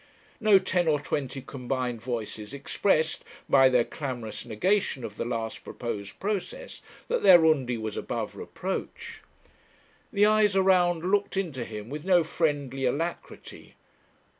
No ten or twenty combined voices expressed, by their clamorous negation of the last proposed process, that their Undy was above reproach. The eyes around looked into him with no friendly alacrity.